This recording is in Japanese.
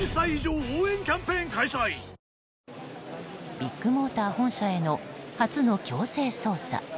ビッグモーター本社への初の強制捜査。